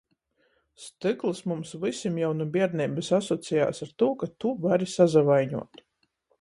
Styklys mums vysim jau nu bierneibys asociejās ar tū, ka tu vari sasavaiņuot.